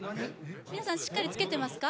皆さんしっかりつけてますか？